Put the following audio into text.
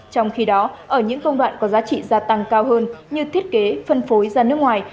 trong khi đó ở những công đoạn có giá trị gia tăng cao hơn như thiết kế phân phối ra nước ngoài